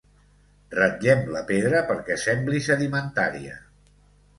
Ratllem la pedra perquè sembli sedimentària.